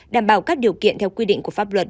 đảm bảo các điều kiện theo quy định của pháp luật